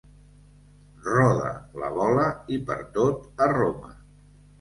Roda la bola i per tot a Roma.